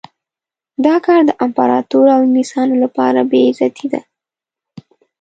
دا کار د امپراطور او انګلیسیانو لپاره بې عزتي ده.